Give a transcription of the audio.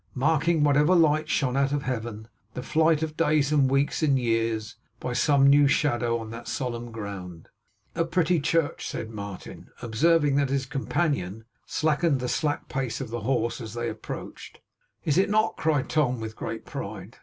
marking, whatever light shone out of Heaven, the flight of days and weeks and years, by some new shadow on that solemn ground. 'A pretty church!' said Martin, observing that his companion slackened the slack pace of the horse, as they approached. 'Is it not?' cried Tom, with great pride.